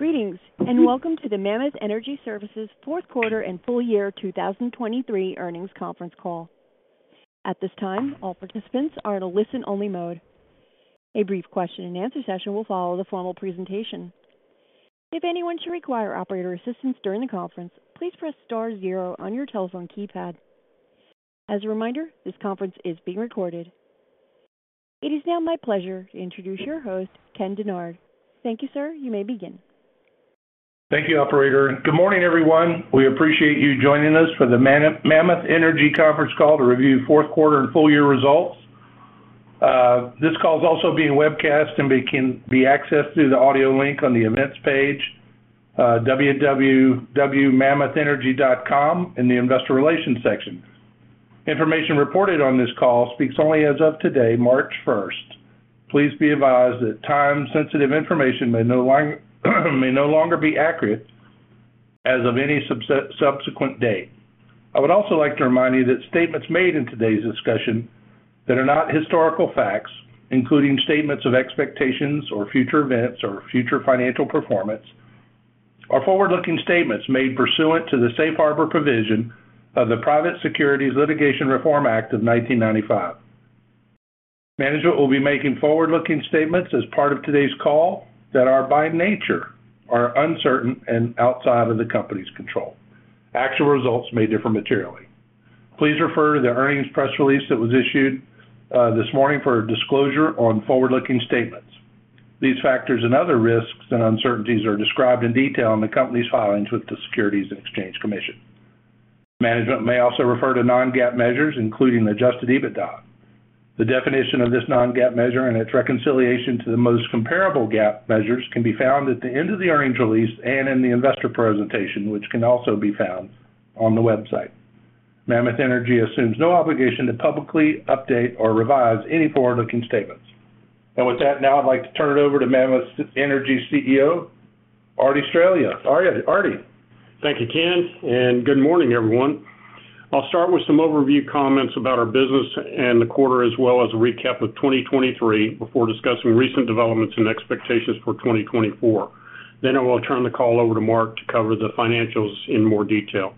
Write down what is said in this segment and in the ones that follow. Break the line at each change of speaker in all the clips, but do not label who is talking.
Greetings, and welcome to the Mammoth Energy Services fourth quarter and full year 2023 earnings conference call. At this time, all participants are in a listen-only mode. A brief question-and-answer session will follow the formal presentation. If anyone should require operator assistance during the conference, please press star zero on your telephone keypad. As a reminder, this conference is being recorded. It is now my pleasure to introduce your host, Ken Dennard. Thank you, sir. You may begin.
Thank you, operator, and good morning, everyone. We appreciate you joining us for the Mammoth Energy conference call to review fourth quarter and full year results. This call is also being webcast and can be accessed through the audio link on the Events page, www.mammothenergy.com in the Investor Relations section. Information reported on this call speaks only as of today, March first. Please be advised that time-sensitive information may no longer be accurate as of any subsequent date. I would also like to remind you that statements made in today's discussion that are not historical facts, including statements of expectations or future events or future financial performance, are forward-looking statements made pursuant to the safe harbor provision of the Private Securities Litigation Reform Act of 1995. Management will be making forward-looking statements as part of today's call that are, by nature, uncertain and outside of the company's control. Actual results may differ materially. Please refer to the earnings press release that was issued this morning for a disclosure on forward-looking statements. These factors and other risks and uncertainties are described in detail in the company's filings with the Securities and Exchange Commission. Management may also refer to non-GAAP measures, including Adjusted EBITDA. The definition of this non-GAAP measure and its reconciliation to the most comparable GAAP measures can be found at the end of the earnings release and in the investor presentation, which can also be found on the website. Mammoth Energy assumes no obligation to publicly update or revise any forward-looking statements. With that, now I'd like to turn it over to Mammoth Energy's CEO, Arty Straehla.
Thank you, Ken, and good morning, everyone. I'll start with some overview comments about our business and the quarter, as well as a recap of 2023, before discussing recent developments and expectations for 2024. Then I will turn the call over to Mark to cover the financials in more detail.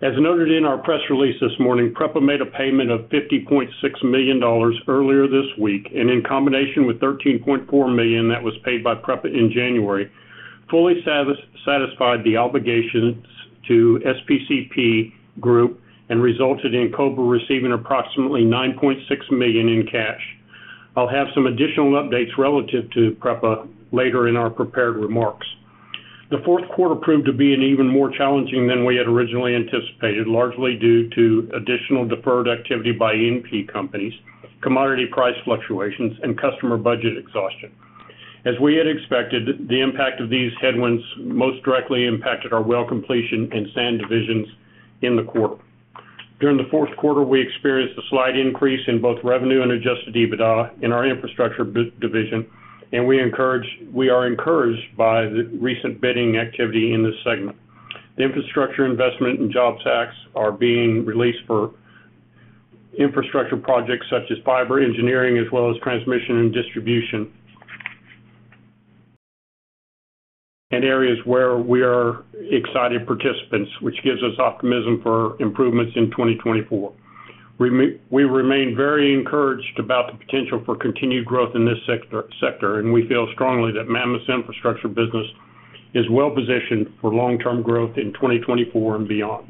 As noted in our press release this morning, PREPA made a payment of $50.6 million earlier this week, and in combination with $13.4 million that was paid by PREPA in January, fully satisfied the obligations to SPCP Group and resulted in Cobra receiving approximately $9.6 million in cash. I'll have some additional updates relative to PREPA later in our prepared remarks. The fourth quarter proved to be even more challenging than we had originally anticipated, largely due to additional deferred activity by E&P companies, commodity price fluctuations, and customer budget exhaustion. As we had expected, the impact of these headwinds most directly impacted our well completion and sand divisions in the quarter. During the fourth quarter, we experienced a slight increase in both revenue and Adjusted EBITDA in our infrastructure division, and we are encouraged by the recent bidding activity in this segment. The Infrastructure Investment and Jobs Act is being released for infrastructure projects such as fiber engineering as well as transmission and distribution, areas where we are excited participants, which gives us optimism for improvements in 2024. We remain very encouraged about the potential for continued growth in this sector, and we feel strongly that Mammoth's infrastructure business is well positioned for long-term growth in 2024 and beyond.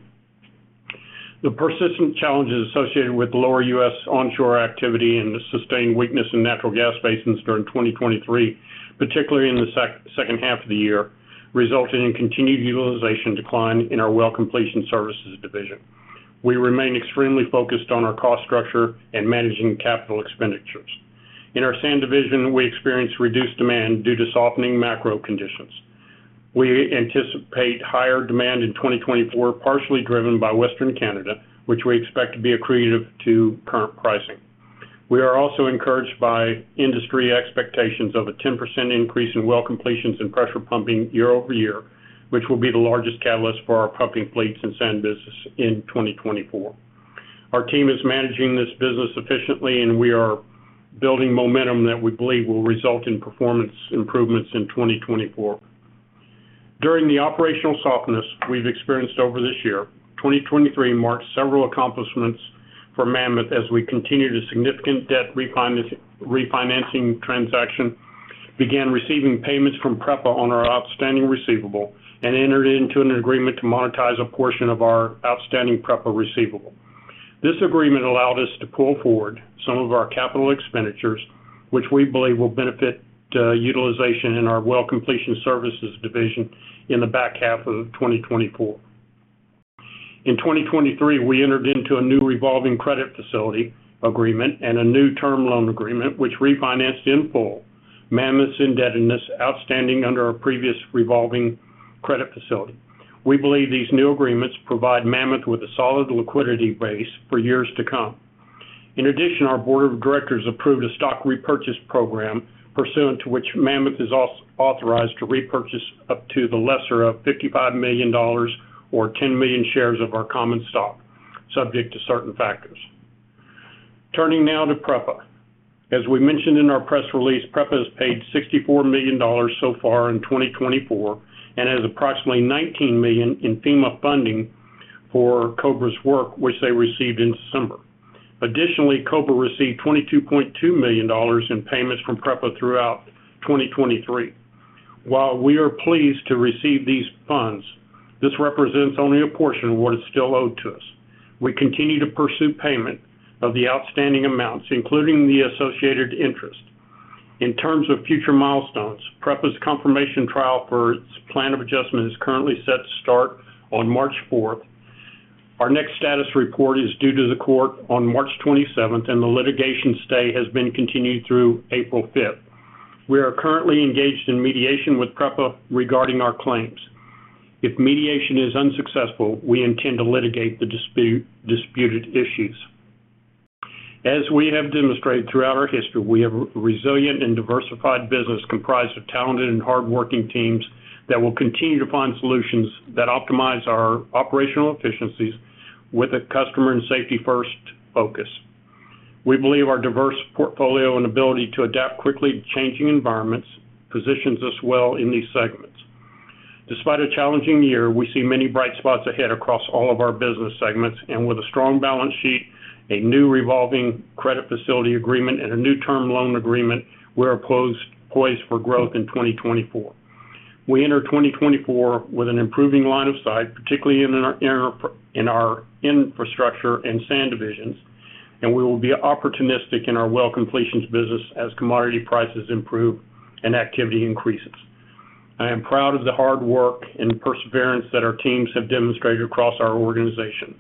The persistent challenges associated with lower U.S. onshore activity and the sustained weakness in natural gas basins during 2023, particularly in the second half of the year, resulted in continued utilization decline in our well completion services division. We remain extremely focused on our cost structure and managing capital expenditures. In our sand division, we experienced reduced demand due to softening macro conditions. We anticipate higher demand in 2024, partially driven by Western Canada, which we expect to be accretive to current pricing. We are also encouraged by industry expectations of a 10% increase in well completions and pressure pumping year over year, which will be the largest catalyst for our pumping fleets and sand business in 2024. Our team is managing this business efficiently, and we are building momentum that we believe will result in performance improvements in 2024. During the operational softness we've experienced over this year, 2023 marked several accomplishments for Mammoth as we continued a significant debt refinancing transaction, began receiving payments from PREPA on our outstanding receivable, and entered into an agreement to monetize a portion of our outstanding PREPA receivable. This agreement allowed us to pull forward some of our capital expenditures, which we believe will benefit utilization in our well completion services division in the back half of 2024. In 2023, we entered into a new revolving credit facility agreement and a new term loan agreement, which refinanced in full Mammoth's indebtedness outstanding under our previous revolving credit facility. We believe these new agreements provide Mammoth with a solid liquidity base for years to come. In addition, our board of directors approved a stock repurchase program pursuant to which Mammoth is authorized to repurchase up to the lesser of $55 million or 10 million shares of our common stock, subject to certain factors.... Turning now to PREPA. As we mentioned in our press release, PREPA has paid $64 million so far in 2024, and has approximately $19 million in FEMA funding for Cobra's work, which they received in December. Additionally, Cobra received $22.2 million in payments from PREPA throughout 2023. While we are pleased to receive these funds, this represents only a portion of what is still owed to us. We continue to pursue payment of the outstanding amounts, including the associated interest. In terms of future milestones, PREPA's confirmation trial for its Plan of Adjustment is currently set to start on March fourth. Our next status report is due to the court on March twenty-seventh, and the litigation stay has been continued through April fifth. We are currently engaged in mediation with PREPA regarding our claims. If mediation is unsuccessful, we intend to litigate the disputed issues. As we have demonstrated throughout our history, we have a resilient and diversified business, comprised of talented and hardworking teams, that will continue to find solutions that optimize our operational efficiencies with a customer and safety-first focus. We believe our diverse portfolio and ability to adapt quickly to changing environments positions us well in these segments. Despite a challenging year, we see many bright spots ahead across all of our business segments, and with a strong balance sheet, a new revolving credit facility agreement, and a new term loan agreement, we're poised for growth in 2024. We enter 2024 with an improving line of sight, particularly in our infrastructure and sand divisions, and we will be opportunistic in our well completions business as commodity prices improve and activity increases. I am proud of the hard work and perseverance that our teams have demonstrated across our organization.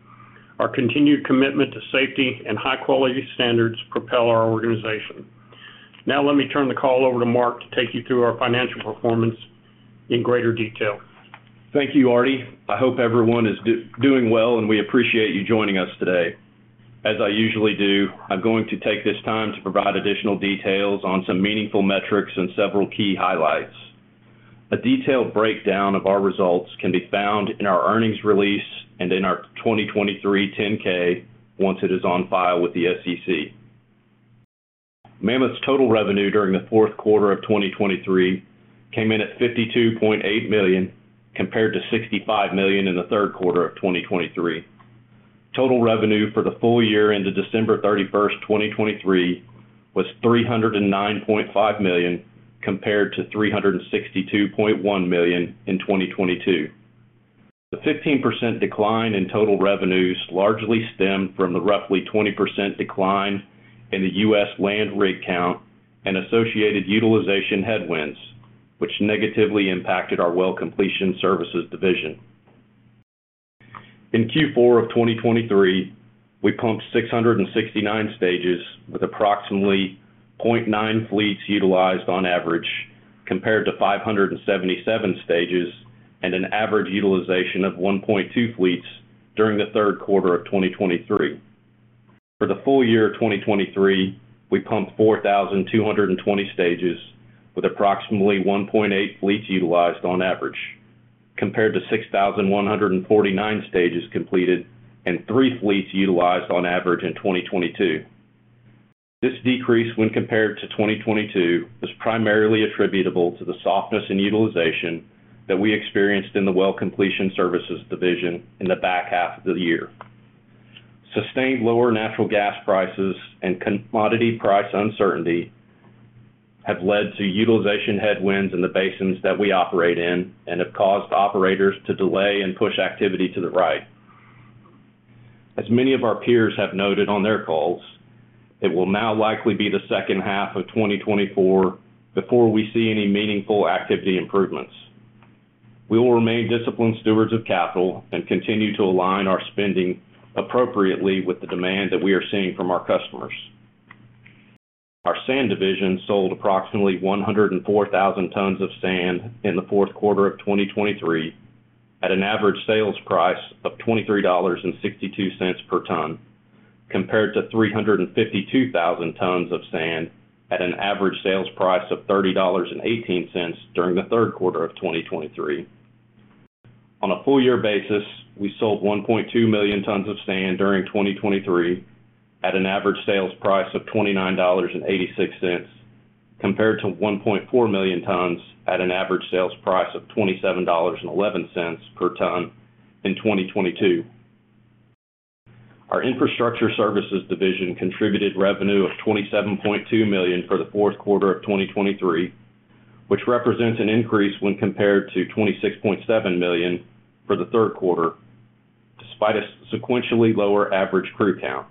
Our continued commitment to safety and high-quality standards propel our organization. Now, let me turn the call over to Mark to take you through our financial performance in greater detail.
Thank you, Arty. I hope everyone is doing well, and we appreciate you joining us today. As I usually do, I'm going to take this time to provide additional details on some meaningful metrics and several key highlights. A detailed breakdown of our results can be found in our earnings release and in our 2023 10-K, once it is on file with the SEC. Mammoth's total revenue during the fourth quarter of 2023 came in at $52.8 million, compared to $65 million in the third quarter of 2023. Total revenue for the full year into December 31, 2023, was $309.5 million, compared to $362.1 million in 2022. The 15% decline in total revenues largely stemmed from the roughly 20% decline in the U.S. Land Rig Count and associated utilization headwinds, which negatively impacted our well completion services division. In Q4 of 2023, we pumped 669 stages with approximately 0.9 fleets utilized on average, compared to 577 stages and an average utilization of 1.2 fleets during the third quarter of 2023. For the full year of 2023, we pumped 4,220 stages, with approximately 1.8 fleets utilized on average, compared to 6,149 stages completed and three fleets utilized on average in 2022. This decrease, when compared to 2022, is primarily attributable to the softness in utilization that we experienced in the well completion services division in the back half of the year. Sustained lower natural gas prices and commodity price uncertainty have led to utilization headwinds in the basins that we operate in and have caused operators to delay and push activity to the right. As many of our peers have noted on their calls, it will now likely be the second half of 2024 before we see any meaningful activity improvements. We will remain disciplined stewards of capital and continue to align our spending appropriately with the demand that we are seeing from our customers. Our sand division sold approximately 104,000 tons of sand in the fourth quarter of 2023, at an average sales price of $23.62 per ton, compared to 352,000 tons of sand at an average sales price of $30.18 during the third quarter of 2023. On a full year basis, we sold 1.2 million tons of sand during 2023 at an average sales price of $29.86, compared to 1.4 million tons at an average sales price of $27.11 per ton in 2022. Our infrastructure services division contributed revenue of $27.2 million for the fourth quarter of 2023, which represents an increase when compared to $26.7 million for the third quarter, despite a sequentially lower average crew count.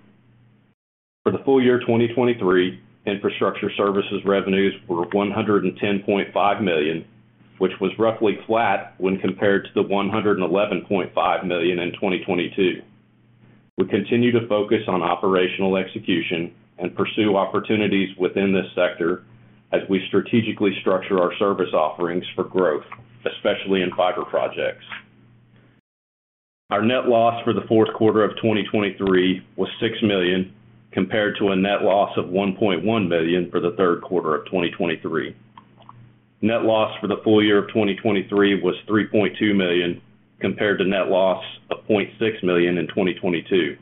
For the full year 2023, infrastructure services revenues were $110.5 million, which was roughly flat when compared to the $111.5 million in 2022. We continue to focus on operational execution and pursue opportunities within this sector as we strategically structure our service offerings for growth, especially in fiber projects. Our net loss for the fourth quarter of 2023 was $6 million, compared to a net loss of $1.1 million for the third quarter of 2023. Net loss for the full year of 2023 was $3.2 million, compared to net loss of $0.6 million in 2022.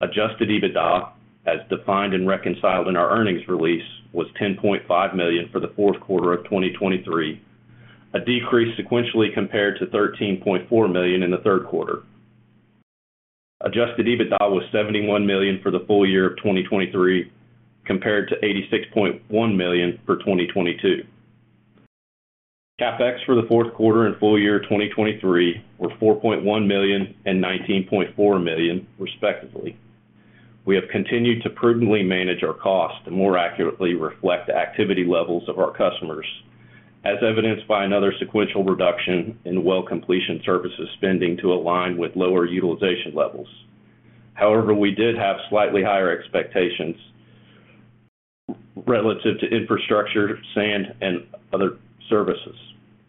Adjusted EBITDA, as defined and reconciled in our earnings release, was $10.5 million for the fourth quarter of 2023, a decrease sequentially compared to $13.4 million in the third quarter. Adjusted EBITDA was $71 million for the full year of 2023, compared to $86.1 million for 2022. CapEx for the fourth quarter and full year 2023 were $4.1 million and $19.4 million, respectively. We have continued to prudently manage our cost to more accurately reflect the activity levels of our customers, as evidenced by another sequential reduction in well completion services spending to align with lower utilization levels. However, we did have slightly higher expectations relative to infrastructure, sand, and other services.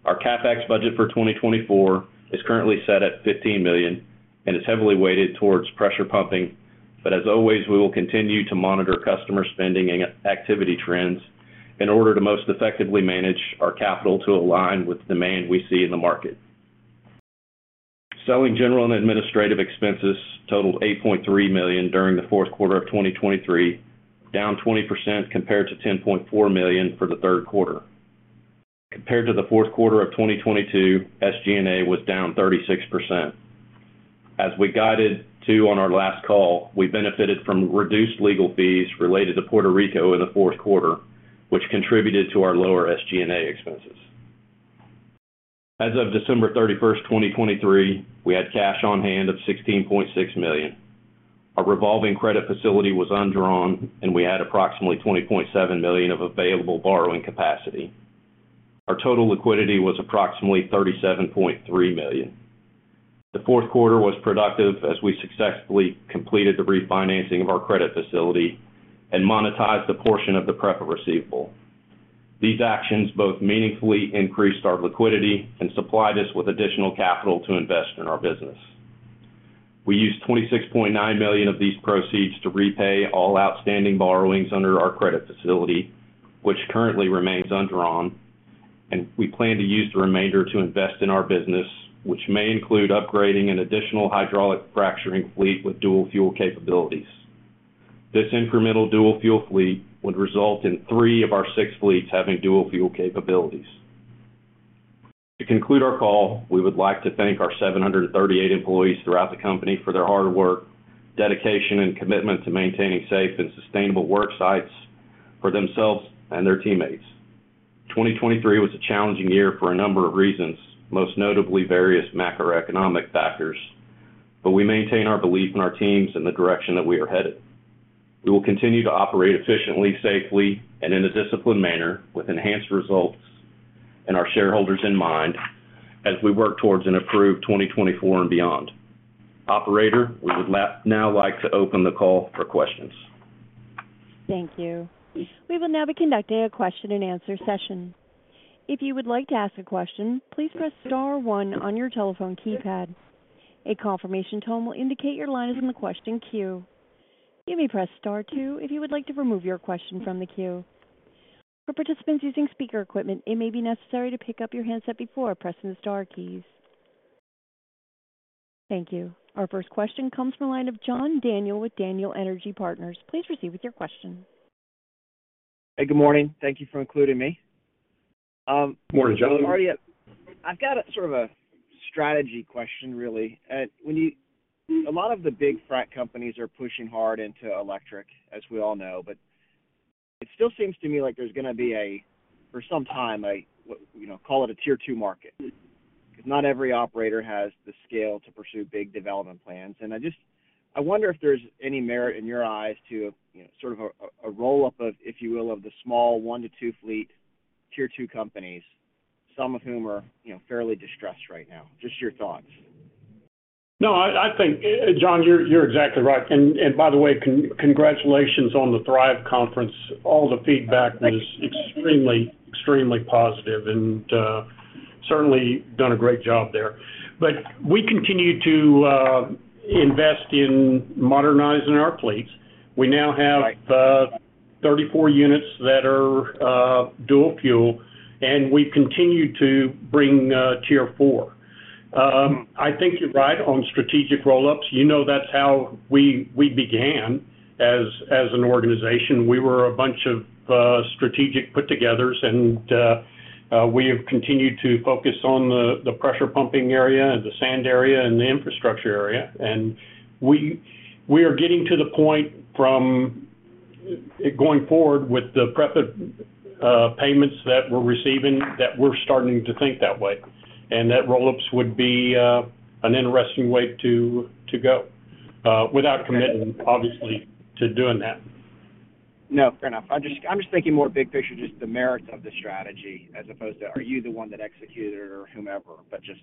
Our CapEx budget for 2024 is currently set at $15 million and is heavily weighted towards pressure pumping. But as always, we will continue to monitor customer spending and activity trends in order to most effectively manage our capital to align with demand we see in the market. Selling, general, and administrative expenses totaled $8.3 million during the fourth quarter of 2023, down 20% compared to $10.4 million for the third quarter. Compared to the fourth quarter of 2022, SG&A was down 36%. As we guided to on our last call, we benefited from reduced legal fees related to Puerto Rico in the fourth quarter, which contributed to our lower SG&A expenses. As of December 31, 2023, we had cash on hand of $16.6 million. Our revolving credit facility was undrawn, and we had approximately $20.7 million of available borrowing capacity. Our total liquidity was approximately $37.3 million. The fourth quarter was productive as we successfully completed the refinancing of our credit facility and monetized a portion of the PREPA receivable. These actions both meaningfully increased our liquidity and supplied us with additional capital to invest in our business. We used $26.9 million of these proceeds to repay all outstanding borrowings under our credit facility, which currently remains undrawn, and we plan to use the remainder to invest in our business, which may include upgrading an additional hydraulic fracturing fleet with dual fuel capabilities. This incremental dual fuel fleet would result in 3 of our 6 fleets having dual fuel capabilities. To conclude our call, we would like to thank our 738 employees throughout the company for their hard work, dedication, and commitment to maintaining safe and sustainable work sites for themselves and their teammates. 2023 was a challenging year for a number of reasons, most notably various macroeconomic factors, but we maintain our belief in our teams and the direction that we are headed. We will continue to operate efficiently, safely, and in a disciplined manner, with enhanced results and our shareholders in mind as we work towards an approved 2024 and beyond. Operator, we would now like to open the call for questions.
Thank you. We will now be conducting a question-and-answer session. If you would like to ask a question, please press star one on your telephone keypad. A confirmation tone will indicate your line is in the question queue. You may press star two if you would like to remove your question from the queue. For participants using speaker equipment, it may be necessary to pick up your handset before pressing the star keys. Thank you. Our first question comes from the line of John Daniel with Daniel Energy Partners. Please proceed with your question.
Hey, good morning. Thank you for including me.
Good morning, John.
I've got a sort of a strategy question, really. When you—a lot of the big frac companies are pushing hard into electric, as we all know, but it still seems to me like there's gonna be a, for some time, a, you know, call it a tier two market. Because not every operator has the scale to pursue big development plans. And I just—I wonder if there's any merit in your eyes to, you know, sort of a, a roll-up of, if you will, of the small one to two fleet, tier two companies, some of whom are, you know, fairly distressed right now. Just your thoughts?
No, I think, John, you're exactly right. And by the way, congratulations on the Thrive Conference. All the feedback-
Thank you.
It was extremely, extremely positive and, certainly done a great job there. But we continue to invest in modernizing our fleets. We now have 34 units that are Dual Fuel, and we've continued to bring Tier 4. I think you're right on strategic roll-ups. You know, that's how we, we began as, as an organization. We were a bunch of strategic put-togethers, and, we have continued to focus on the, the Pressure Pumping area and the sand area and the infrastructure area. And we, we are getting to the point from, going forward, with the PREPA payments that we're receiving, that we're starting to think that way. And that roll-ups would be an interesting way to, to go, without committing, obviously, to doing that.
No, fair enough. I'm just, I'm just thinking more big picture, just the merits of the strategy as opposed to, are you the one that executed it or whomever, but just...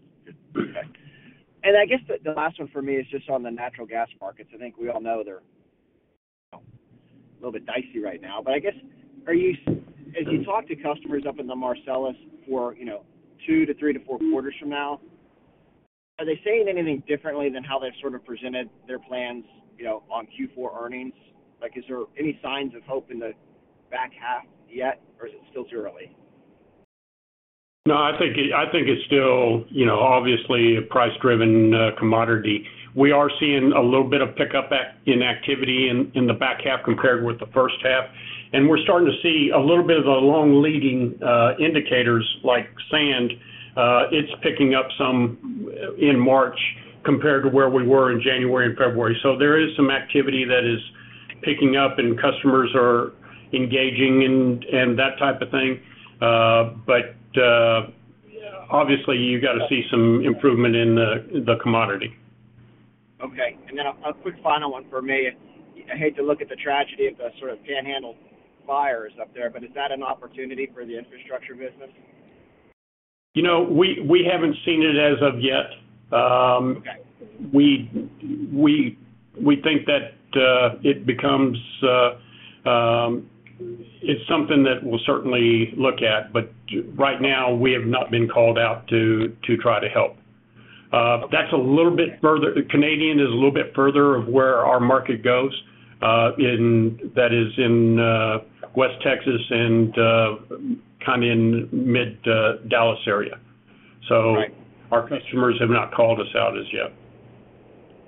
Okay. And I guess the, the last one for me is just on the natural gas markets. I think we all know they're a little bit dicey right now, but I guess, are you - as you talk to customers up in the Marcellus for, you know, 2 to 3 to 4 quarters from now,... Are they saying anything differently than how they've sort of presented their plans, you know, on Q4 earnings? Like, is there any signs of hope in the back half yet, or is it still too early?
No, I think it's still, you know, obviously, a price-driven commodity. We are seeing a little bit of pickup in activity in the back half compared with the first half, and we're starting to see a little bit of the long leading indicators like sand, it's picking up some in March compared to where we were in January and February. So there is some activity that is picking up, and customers are engaging and that type of thing. But obviously, you've got to see some improvement in the commodity.
Okay. And then a quick final one for me. I hate to look at the tragedy of the sort of Panhandle fires up there, but is that an opportunity for the infrastructure business?
You know, we haven't seen it as of yet.
Okay.
We think that it becomes. It's something that we'll certainly look at, but right now, we have not been called out to try to help. That's a little bit further. Canadian is a little bit further of where our market goes, in West Texas and kind of in mid-Dallas area.
Right.
Our customers have not called us out as yet.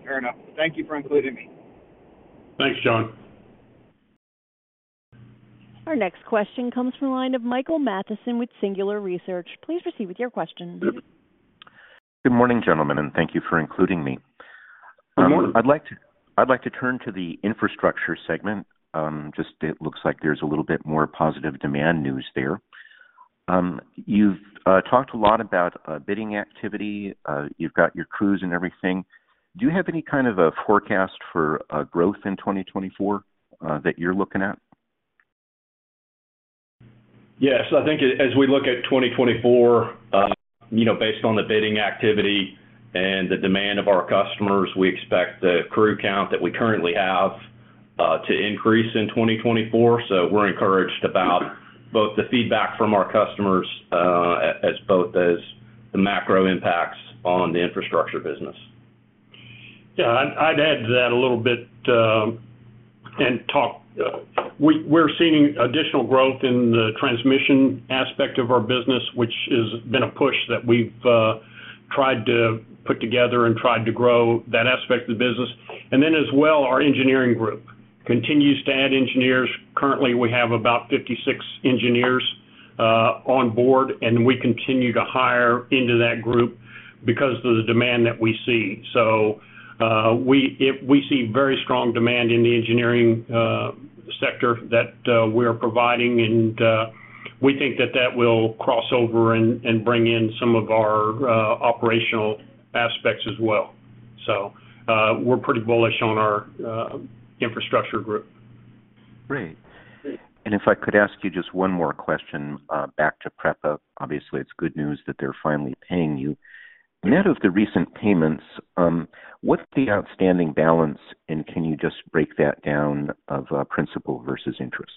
Fair enough. Thank you for including me.
Thanks, John.
Our next question comes from the line of Michael Mathison with Singular Research. Please proceed with your question.
Good morning, gentlemen, and thank you for including me.
Good morning.
I'd like to, I'd like to turn to the infrastructure segment. Just, it looks like there's a little bit more positive demand news there. You've talked a lot about bidding activity. You've got your crews and everything. Do you have any kind of a forecast for growth in 2024 that you're looking at?
Yes. I think as we look at 2024, you know, based on the bidding activity and the demand of our customers, we expect the crew count that we currently have to increase in 2024. So we're encouraged about both the feedback from our customers as both the macro impacts on the infrastructure business.
Yeah, I'd add to that a little bit and talk. We're seeing additional growth in the transmission aspect of our business, which has been a push that we've tried to put together and tried to grow that aspect of the business. And then as well, our engineering group continues to add engineers. Currently, we have about 56 engineers on board, and we continue to hire into that group because of the demand that we see. So, we see very strong demand in the engineering sector that we're providing, and we think that that will cross over and bring in some of our operational aspects as well. So, we're pretty bullish on our infrastructure group.
Great. And if I could ask you just one more question, back to PREPA. Obviously, it's good news that they're finally paying you. Net of the recent payments, what's the outstanding balance, and can you just break that down of, principal versus interest?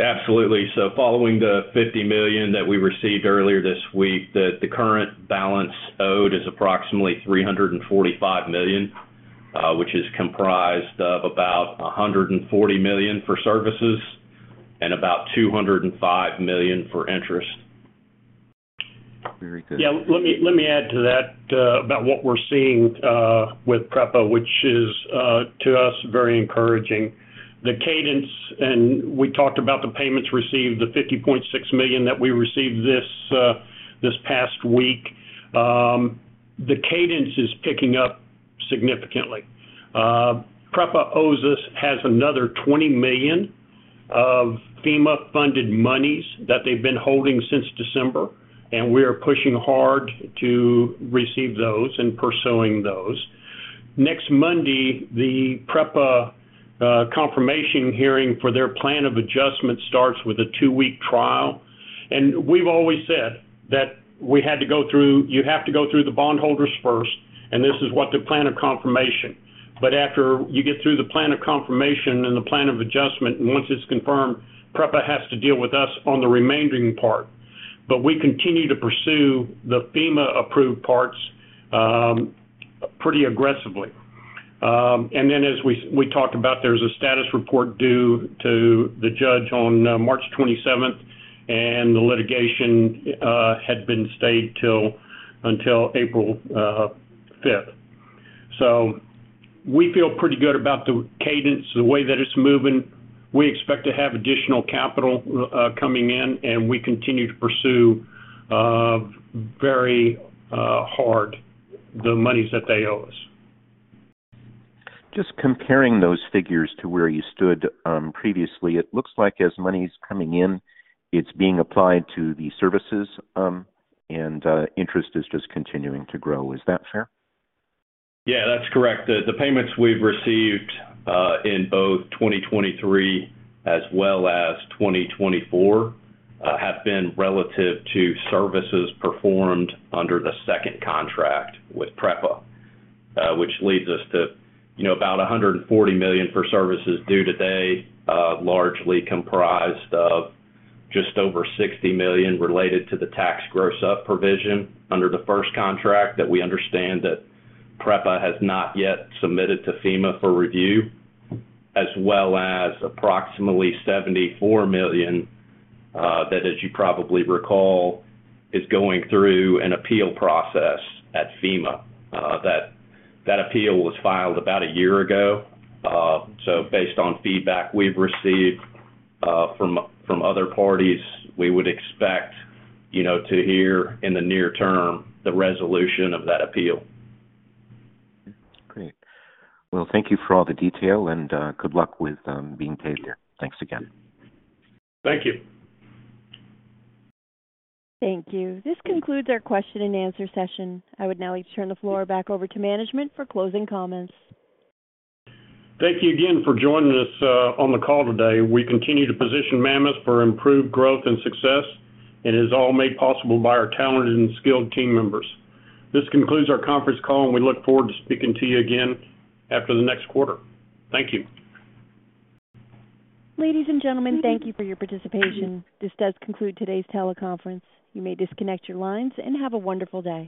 Absolutely. So following the $50 million that we received earlier this week, the current balance owed is approximately $345 million, which is comprised of about $140 million for services and about $205 million for interest.
Very good.
Yeah, let me, let me add to that, about what we're seeing with PREPA, which is, to us, very encouraging. The cadence, and we talked about the payments received, the $50.6 million that we received this, this past week. The cadence is picking up significantly. PREPA owes us, has another $20 million of FEMA-funded monies that they've been holding since December, and we are pushing hard to receive those and pursuing those. Next Monday, the PREPA confirmation hearing for their Plan of Adjustment starts with a two-week trial. And we've always said that we had to go through-- you have to go through the bondholders first, and this is what the plan of confirmation. But after you get through the plan of confirmation and the plan of adjustment, and once it's confirmed, PREPA has to deal with us on the remaining part. But we continue to pursue the FEMA-approved parts pretty aggressively. And then as we talked about, there's a status report due to the judge on March twenty-seventh, and the litigation had been stayed until April fifth. So we feel pretty good about the cadence, the way that it's moving. We expect to have additional capital coming in, and we continue to pursue very hard the monies that they owe us.
Just comparing those figures to where you stood, previously, it looks like as money's coming in, it's being applied to the services, and interest is just continuing to grow. Is that fair?
Yeah, that's correct. The payments we've received in both 2023 as well as 2024 have been relative to services performed under the second contract with PREPA. Which leads us to, you know, about $140 million for services due today, largely comprised of just over $60 million related to the tax gross- up provision under the first contract that we understand that PREPA has not yet submitted to FEMA for review, as well as approximately $74 million, that, as you probably recall, is going through an appeal process at FEMA. That appeal was filed about a year ago. So based on feedback we've received from other parties, we would expect, you know, to hear in the near term, the resolution of that appeal.
Great. Well, thank you for all the detail, and good luck with being paid here. Thanks again.
Thank you.
Thank you. This concludes our question and answer session. I would now like to turn the floor back over to management for closing comments.
Thank you again for joining us on the call today. We continue to position Mammoth for improved growth and success, and it is all made possible by our talented and skilled team members. This concludes our conference call, and we look forward to speaking to you again after the next quarter. Thank you.
Ladies and gentlemen, thank you for your participation. This does conclude today's teleconference. You may disconnect your lines, and have a wonderful day.